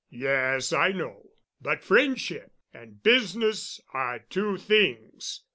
"Yes, I know. But friendship and business are two things.